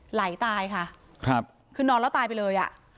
ไหลตายค่ะครับคือนอนแล้วตายไปเลยอ่ะ